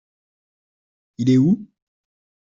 Il est où ?